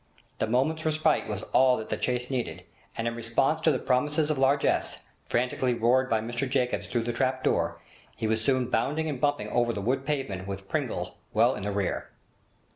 The moment's respite was all that the chase needed, and in response to the promises of largesse, frantically roared by Mr Jacobs through the trap door, he was soon bounding and bumping over the wood pavement with Pringle well in the rear.